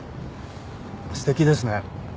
すてきですね。